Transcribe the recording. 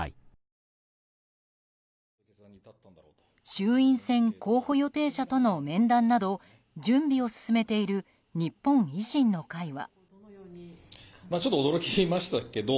衆院選候補予定者との面談など準備を進めている日本維新の会は。